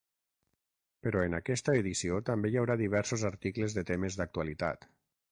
Però en aquesta edició també hi haurà diversos articles de temes d’actualitat.